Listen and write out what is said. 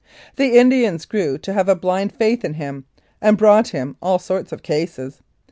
The Indians grew to have a blind faith in him, and brought him all sorts of cases.